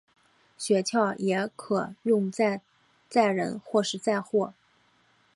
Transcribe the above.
雪橇也可用在载人或是载货。